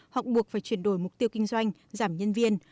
hoặc buộc phải chuyển đổi mục tiêu kinh doanh giảm nhân viên